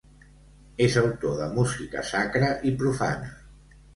És autor de música sacra i profana.